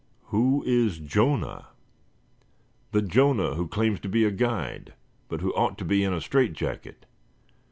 "Who is Jonah?" "The Jonah who claims to be a guide, but who ought to be in a strait jacket."